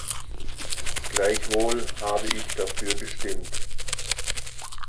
Gleichwohl habe ich dafür gestimmt.